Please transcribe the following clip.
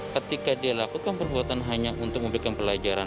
ketika dia lakukan perbuatan hanya untuk membuatkan pelayanan